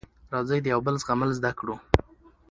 راځی د یوبل زغمل زده کړو